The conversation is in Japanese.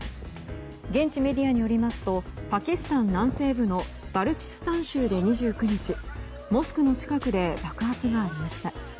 現地メディアによりますとパキスタン南西部のバルチスタン州で２９日モスクの近くで爆発がありました。